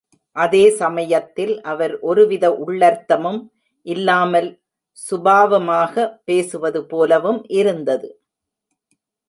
அதே சமயத்தில் அவர் ஒருவித உள்ளர்த்தமும் இல்லாமல் சுபாவமாகப் பேசுவது போலவும் இருந்தது.